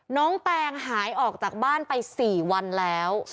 แตงหายออกจากบ้านไป๔วันแล้ว